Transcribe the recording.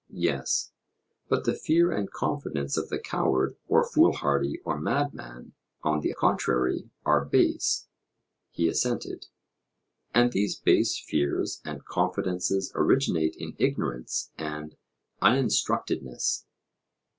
Yes. But the fear and confidence of the coward or foolhardy or madman, on the contrary, are base? He assented. And these base fears and confidences originate in ignorance and uninstructedness?